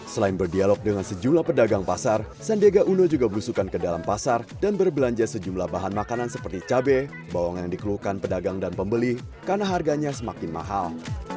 selain berdialog dengan sejumlah pedagang pasar sandiaga uno juga berusukan ke dalam pasar dan berbelanja sejumlah bahan makanan seperti cabai bawang yang dikeluhkan pedagang dan pembeli karena harganya semakin mahal